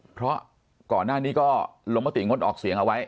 เพราะก่อนหน้านี้ก็ลงมติงดออกเสียงเอาไว้